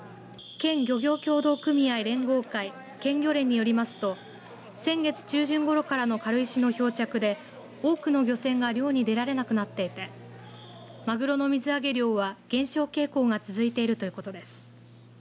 県漁業協同組合連合会県漁連によりますと先月中旬ごろからの軽石の漂着で多くの漁船が漁に出られなくなっていてマグロの水揚げ量は減少傾向が続いているということです。